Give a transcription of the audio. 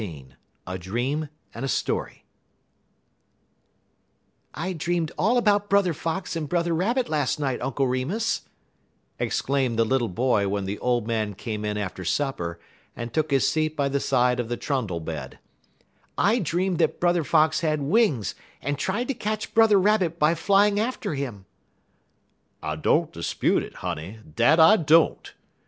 XVIII A DREAM AND A STORY "I dreamed all about Brother Fox and Brother Rabbit last night, Uncle Remus," exclaimed the little boy when the old man came in after supper and took his seat by the side of the trundle bed; "I dreamed that Brother Fox had wings and tried to catch Brother Rabbit by flying after him." "I don't 'spute it, honey, dat I don't!"